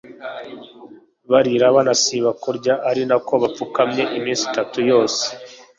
barira banasiba kurya, ari na ko bapfukamye iminsi itatu yose